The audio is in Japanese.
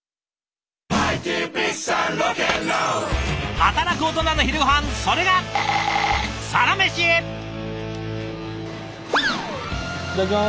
働くオトナの昼ごはんそれがいただきます！